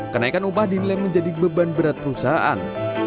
kenaikan upah dinilai menjadi beban berat perusahaan